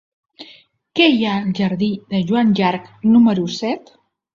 Què hi ha al jardí de Joan Llarch número set?